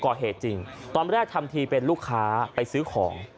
ก่อเหตุจริงตอนแรกทำทีเป็นลูกค้าไปซื้อของ